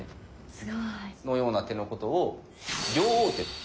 このような手のことを「両王手」と。